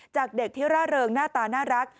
จากเด็กที่ร่าเริงหน้าตาน่ารัก